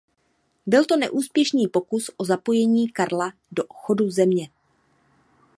Byl to neúspěšný pokus o zapojení Karla do chodu země.